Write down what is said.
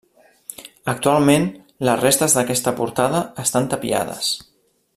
Actualment, les restes d'aquesta portada estan tapiades.